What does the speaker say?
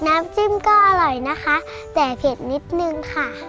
น้ำจิ้มก็อร่อยนะคะแต่เผ็ดนิดนึงค่ะ